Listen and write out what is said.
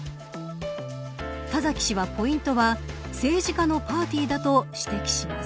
田崎氏はポイントは政治家のパーティーだと指摘します。